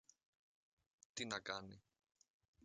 Τι να κάνει;